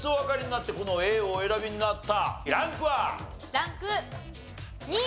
ランク２。